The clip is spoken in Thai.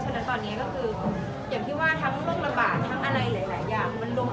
ใช่ค่ะตอนนี้ก็คือเหมือนยังเป็นเพื่อนอยู่จากตอนนั้นที่เราบอกว่าเราเป็นเพื่อน